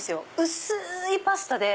薄いパスタで。